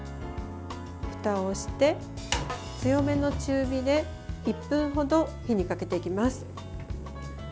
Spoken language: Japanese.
ふたをして、強めの中火で１分ほど火にかけていきます。